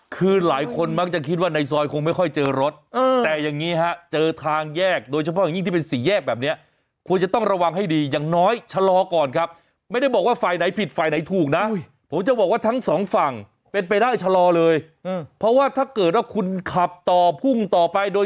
คือหลายคนมักจะคิดว่าในซอยคงไม่ค่อยเจอรถแต่อย่างนี้ฮะเจอทางแยกโดยเฉพาะอย่างยิ่งที่เป็นสี่แยกแบบนี้ควรจะต้องระวังให้ดีอย่างน้อยชะลอก่อนครับไม่ได้บอกว่าฝ่ายไหนผิดฝ่ายไหนถูกนะผมจะบอกว่าทั้งสองฝั่งเป็นไปได้ชะลอเลยเพราะว่าถ้าเกิดว่าคุณขับต่อพุ่งต่อไปโดย